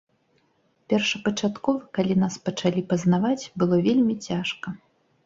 Першапачаткова, калі нас пачалі пазнаваць, было вельмі цяжка.